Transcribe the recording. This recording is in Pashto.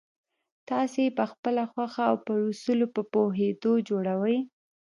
تاسې یې پخپله خوښه او پر اصولو په پوهېدو جوړوئ